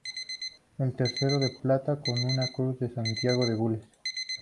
El tercero, de plata, con una cruz de Santiago de Gules.